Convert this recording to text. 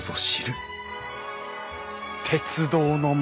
鉄道の町！